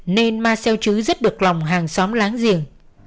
nên marcel trứ rất được lòng hàng xóm láng giềng